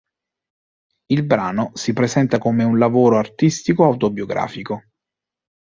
Il brano si presenta come un lavoro artistico autobiografico.